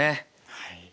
はい。